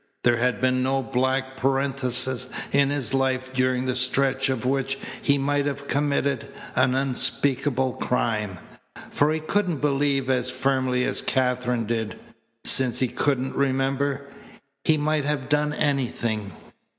There had been no black parenthesis in his life during the stretch of which he might have committed an unspeakable crime. For he couldn't believe as firmly as Katherine did. Since he couldn't remember, he might have done anything.